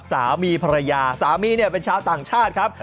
สามีภรรยาสามีเนี่ยเป็นชาวต่างชาติครับ